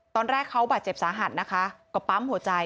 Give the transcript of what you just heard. ตอนแรกเขาบาดเจ็บสาหัสนะคะก็ปั๊มหัวใจ